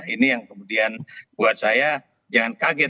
ini yang kemudian buat saya jangan kaget